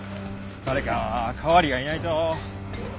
誰か代わりがいないと。